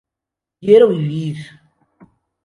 Quiero vivir.